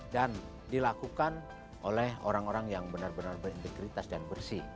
dan dilakukan oleh orang orang yang benar benar berintegritas dan bersih